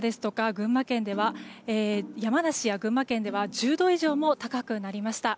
山梨とか群馬県では１０度以上も高くなりました。